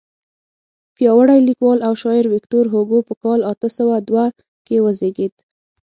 پیاوړی لیکوال او شاعر ویکتور هوګو په کال اته سوه دوه کې وزیږېد.